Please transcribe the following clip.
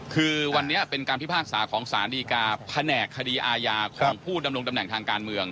คือวันนี้เป็นการพิพากษาของสารดีกาแผนกคดีอาญาของผู้ดำรงตำแหน่งทางการเมือง